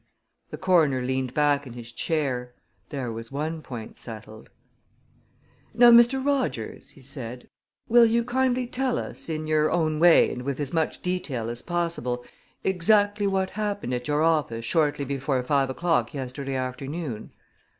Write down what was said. The coroner leaned back in his chair. There was one point settled. "Now, Mr. Rogers," he said, "will you kindly tell us, in your own way and with as much detail as possible, exactly what happened at your office shortly before five o'clock yesterday afternoon?"